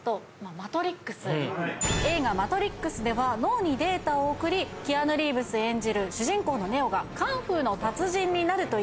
映画『マトリックス』では脳にデータを送りキアヌ・リーブス演じる主人公のネオがカンフーの達人になるという。